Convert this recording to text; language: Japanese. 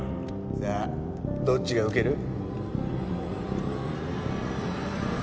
さあどっちが受ける？